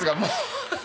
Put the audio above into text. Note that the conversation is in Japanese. ハハハハ！